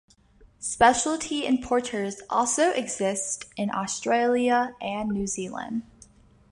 Specialty importers also exist in Australia and New Zealand.